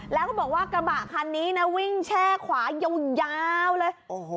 แล้วก็บอกว่ากระบะคันนี้นะวิ่งแช่ขวายาวเลย